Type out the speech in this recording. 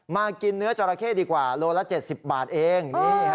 มากินเนื้อจราเข้ดีกว่าโลละ๗๐บาทเอง